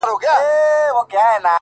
• چي ته به يې په کومو صحفو؛ قتل روا کي؛